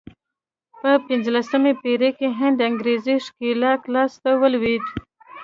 په پنځلسمه پېړۍ کې هند انګرېزي ښکېلاک لاس ته ولوېد.